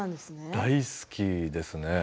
大好きです。